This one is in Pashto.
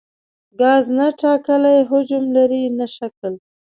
ګاز نه ټاکلی حجم لري نه شکل.